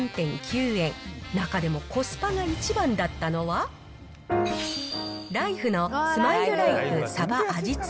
中でもコスパが一番だったのは、ライフのスマイルライフさば味